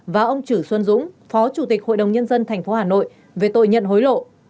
và ông chử xuân dũng phó chủ tịch ubnd tp hà nội về tội nhận hối lộ